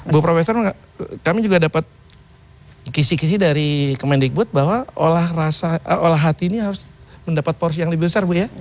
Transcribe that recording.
bu profesor kami juga dapat kisi kisi dari kemendikbud bahwa olah hati ini harus mendapat porsi yang lebih besar bu ya